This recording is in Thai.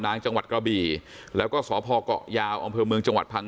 จังหวัดกระบี่แล้วก็สพเกาะยาวอำเภอเมืองจังหวัดพัง